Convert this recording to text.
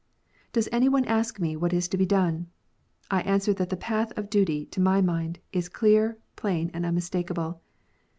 Does any one ask me what is to be done 1 I answer that the path of duty, to my mind, is clear, plain, and unmistakable.